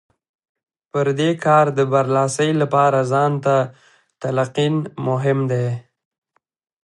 پر دې کار د برلاسۍ لپاره ځان ته تلقين مهم دی.